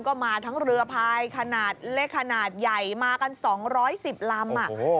ก็มาทั้งเรือพายขนาดเล็กขนาดใหญ่มากัน๒๑๐ลำ